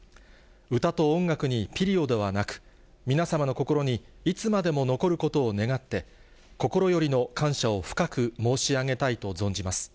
歌と音楽にピリオドはなく、皆様の心にいつまでも残ることを願って、心よりの感謝を深く申し上げたいと存じます。